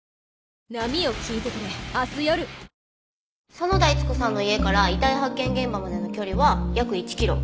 園田逸子さんの家から遺体発見現場までの距離は約１キロ。